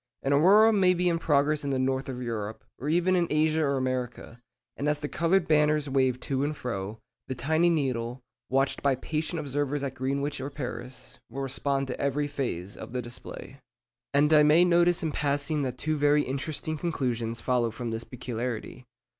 An aurora may be in progress in the north of Europe, or even in Asia or America, and as the coloured banners wave to and fro, the tiny needle, watched by patient observers at Greenwich or Paris, will respond to every phase of the display. And I may notice in passing that two very interesting conclusions follow from this peculiarity.